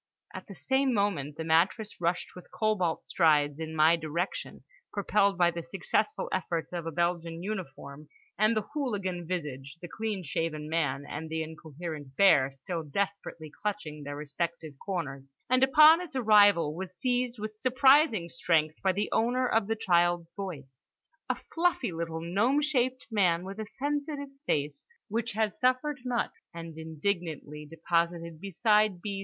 —at the same moment the mattress rushed with cobalt strides in my direction, propelled by the successful efforts of the Belgian uniform and the hooligan visage, the clean shaven man and the incoherent bear still desperately clutching their respective corners; and upon its arrival was seized with surprising strength by the owner of the child's voice—a fluffy little gnome shaped man with a sensitive face which had suffered much—and indignantly deposited beside B.